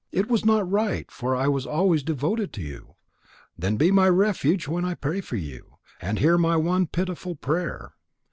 It was not right, for I was always devoted to you. Then be my refuge when I pray to you, and hear my one pitiful prayer.